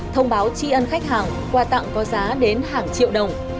thông báo tri ân khách hàng quà tặng có giá đến hàng triệu đồng